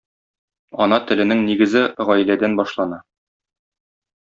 Ана теленең нигезе гаиләдән башлана.